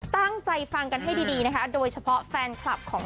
ตั้งใจฟังกันให้ดีนะคะโดยเฉพาะแฟนคลับของ